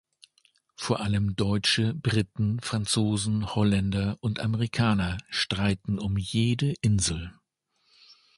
Vor allem Deutsche, Briten, Franzosen, Holländer und Amerikaner streiten um jede Insel.